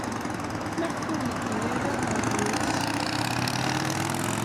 Maɣef ur yeddi ara ɣer Rrus?